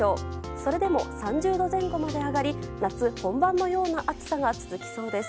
それでも３０度前後まで上がり夏本番のような暑さが続きそうです。